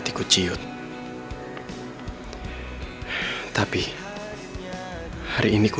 ini tradisi lo